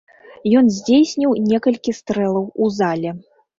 Ён здзейсніў некалькі стрэлаў у зале.